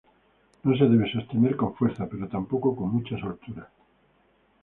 No se debe sostener con fuerza, pero tampoco con mucha soltura.